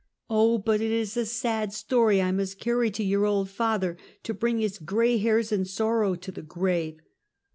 Oh, but it is a sad story I must carry to your old father, to bring his gray hairs in sorrow to the grave.